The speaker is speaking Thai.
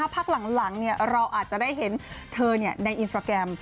พักหลังเราอาจจะได้เห็นเธอในอินสตราแกรม